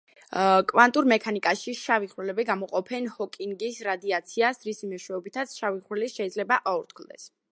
კვანტურ მექანიკაში შავი ხვრელები გამოყოფენ ჰოკინგის რადიაციას რისი მეშვეობითაც შავი ხვრელი შეიძლება აორთქლდეს.